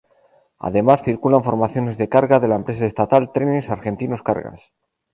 Además circulan formaciones de carga de la empresa estatal Trenes Argentinos Cargas.